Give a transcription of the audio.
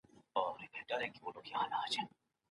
شاه امان الله خان د هېواد د ودې لپاره لارښود و.